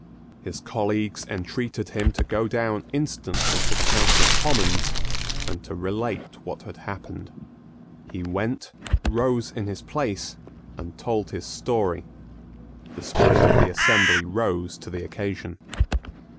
His colleagues entreated him to go down instantly to the House of Commons, and to relate what had happened. He went, rose in his place, and told his story. The spirit of the assembly rose to the occasion.